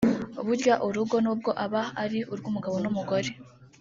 Burya urugo nubwo aba ari urw’umugabo n’umugore